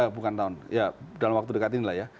bukan tahun ya dalam waktu dekat ini lah ya